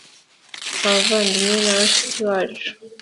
Abavandimwe na bashiki bacu